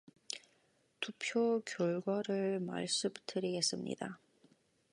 투표 결과를 말씀드리겠습니다.